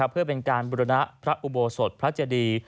เพื่อเป็นการบุรณะพระอุโบสถพระเจดี